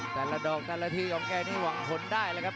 แต่ละดอกแต่ละทีหวังผลได้เลยครับ